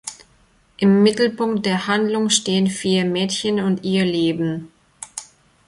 Im Mittelpunkt der Handlung stehen vier Mädchen und ihr Leben.